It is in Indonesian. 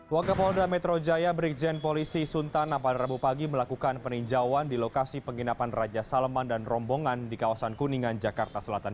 wakil polda metro jaya berikjen polisi suntan apal rabu pagi melakukan peninjauan di lokasi penginapan raja salman dan rombongan di kawasan kuningan jakarta selatan